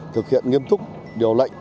thực hiện nghiêm túc điều lệnh